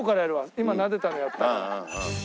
今なでたのやったから。